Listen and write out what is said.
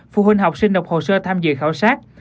phụ huynh học sinh đọc hồ sơ tham dự khảo sát